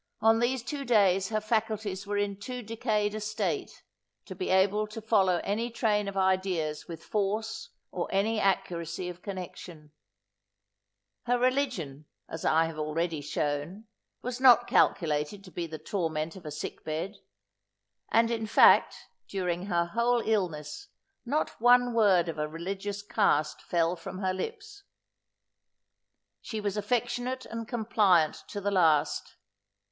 On these two days her faculties were in too decayed a state, to be able to follow any train of ideas with force or any accuracy of connection. Her religion, as I have already shown, was not calculated to be the torment of a sick bed; and, in fact, during her whole illness, not one word of a religious cast fell from her lips. She was affectionate and compliant to the last.